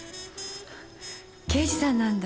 刑事さんなんだ。